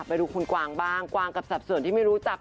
ไปดูคุณกวางบ้างกวางกับสัดส่วนที่ไม่รู้จัก